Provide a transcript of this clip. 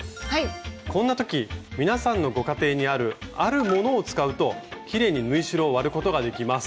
こんなとき皆さんのご家庭にあるあるものを使うときれいに縫い代を割ることができます。